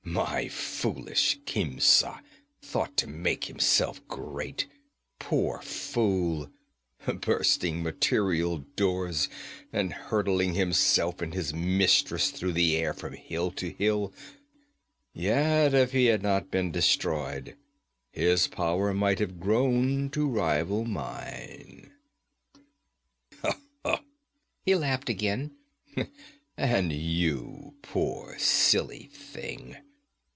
My foolish Khemsa thought to make himself great poor fool, bursting material doors and hurtling himself and his mistress through the air from hill to hill! Yet if he had not been destroyed his power might have grown to rival mine.' He laughed again. 'And you, poor, silly thing!